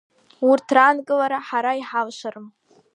Урҭ раанкылара ҳара иҳалшарым.